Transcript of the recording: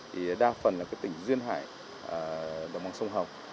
thì đa phần là cái tỉnh duyên hải đồng bằng sông hồng